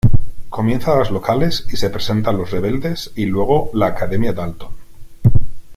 Comienza las locales y se presentan los Rebeldes y luego la Academia Dalton.